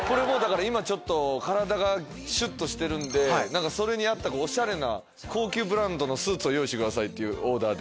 今体がシュっとしてるんでそれに合ったおしゃれな高級ブランドのスーツを用意してくださいというオーダー。